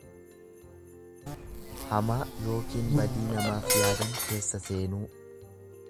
Hamaa ykn badii namaaf yaadan keessa seenuu.